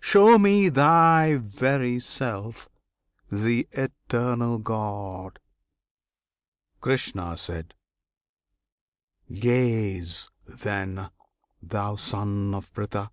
Show me Thy very self, the Eternal God! Krishna. Gaze, then, thou Son of Pritha!